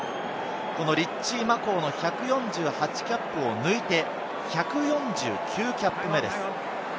リッチー・マコウの１４８キャップを抜いて、１４９キャップ目です。